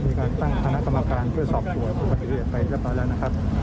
มีการตั้งคณะกรรมการเพื่อสอบสวนปฏิเสธไปแล้วต่อแล้วนะครับ